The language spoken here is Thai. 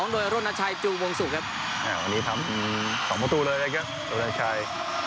๖๒โดยโรนาชัยจูกวงสุครับอ่าววันนี้ทำ๒มตรูเลยเลยครับโรนาชัย